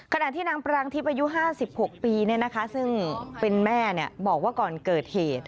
ขณะที่นางปรางทิพย์อายุ๕๖ปีซึ่งเป็นแม่บอกว่าก่อนเกิดเหตุ